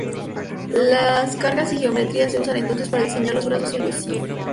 Las cargas y geometría se usan entonces para diseñar los brazos y el husillo.